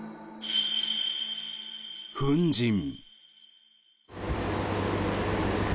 粉じん。